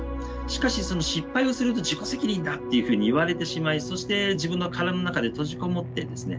しかしその失敗をすると自己責任だというふうに言われてしまいそして自分の殻の中で閉じこもってですね